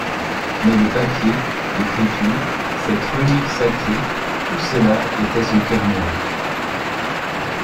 Mais le papier, l’écriture, cette relique sacrée, tout cela était son cœur même.